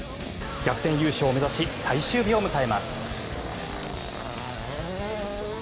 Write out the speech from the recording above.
逆転優勝を目指し最終日を迎えます。